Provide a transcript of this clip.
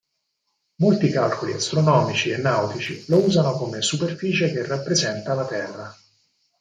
Molti calcoli astronomici e nautici lo usano come superficie che rappresenta la Terra.